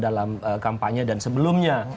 dalam kampanye dan sebelumnya